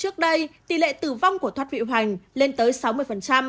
trước đây tỷ lệ tử vong của thoát vị hoành lên tới sáu mươi